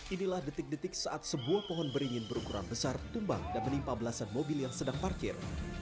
inilah detik detik saat sebuah pohon beringin berukuran besar tumbang dan menimpa belasan mobil yang sedang parkir